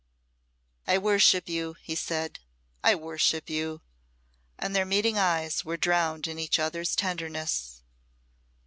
"I worship you," he said; "I worship you." And their meeting eyes were drowned in each other's tenderness.